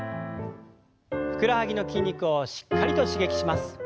ふくらはぎの筋肉をしっかりと刺激します。